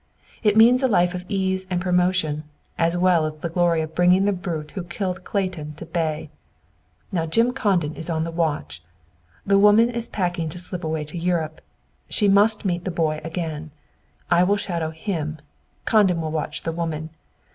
It means a life of ease and promotion, as well as the glory of bringing the brute who killed Clayton to bay! Now, Jim Condon is on watch. The woman is packing to slip away to Europe; she must meet the boy again! I will shadow him; Condon will watch the woman.